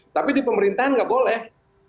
tapi di pemerintahan nggak boleh